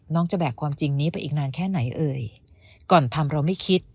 จะแบกความจริงนี้ไปอีกนานแค่ไหนเอ่ยก่อนทำเราไม่คิด